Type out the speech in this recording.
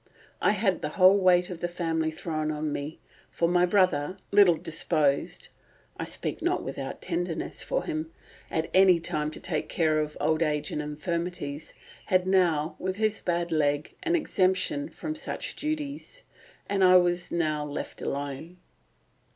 I had the whole weight of the family thrown on me, for my brother, little disposed (I speak not without tenderness for him) at any time to take care of old age and infirmities, had now, with his bad leg, an exemption from such duties; and I was now left alone."